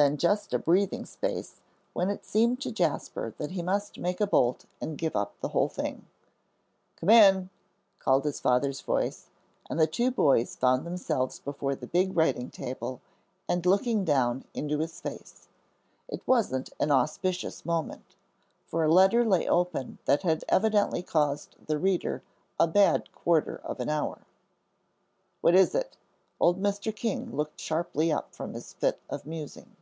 Then just a breathing space, when it seemed to Jasper that he must make a bolt and give up the whole thing. "Come in!" called his father's voice; and the two boys found themselves before the big writing table, and looking down into his face. It wasn't an auspicious moment, for a letter lay open that had evidently caused the reader a bad quarter of an hour. "What is it?" Old Mr. King looked sharply up from his fit of musing.